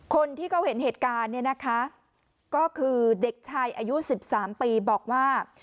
คนที่เขาเห็นเหตุการณ์เนี่ยนะคะก็คือเด็กชายอายุ๑๓ปีบอกว่า